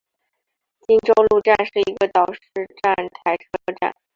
金周路站是一个岛式站台车站。